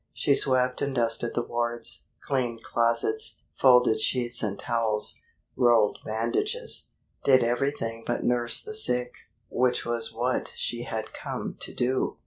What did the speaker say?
She swept and dusted the wards, cleaned closets, folded sheets and towels, rolled bandages did everything but nurse the sick, which was what she had come to do.